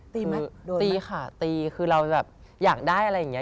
ตีไหมโดนไหมตีค่ะตีคือเราแบบอยากได้อะไรอย่างเงี้ย